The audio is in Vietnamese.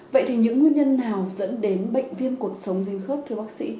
vậy thì những nguyên nhân nào dẫn đến bệnh viêm cột sống dính khớp thưa bác sĩ